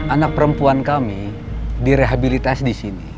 anak perempuan kami direhabilitas disini